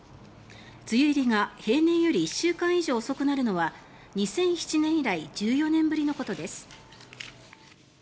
梅雨入りが平年より１週間以上遅くなるのは２００７年以来１４年ぶりのことです。